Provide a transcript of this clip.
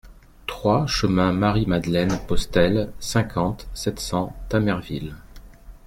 trois chemin Marie Madeleine Postel, cinquante, sept cents, Tamerville